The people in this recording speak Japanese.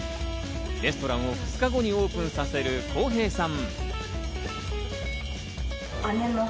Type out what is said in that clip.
レストランを２日後にオープンさせる公平さん。